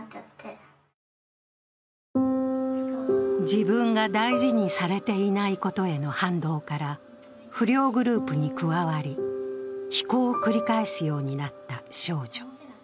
自分が大事にされていないことへの反動から、不良グループに加わり、非行を繰り返すようになった少女。